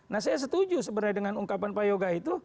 nah saya setuju sebenarnya dengan ungkapan pak yoga itu